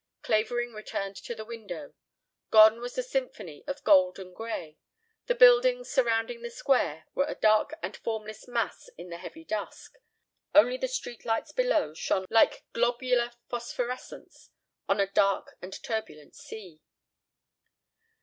Clavering returned to the window. Gone was the symphony of gold and gray. The buildings surrounding the Square were a dark and formless mass in the heavy dusk. Only the street lights below shone like globular phosphorescence on a dark and turbulent sea.